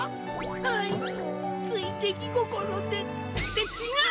はいついできごころで。ってちがう！